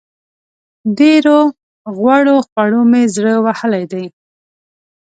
ډېرو غوړو خوړو مې زړه وهلی دی.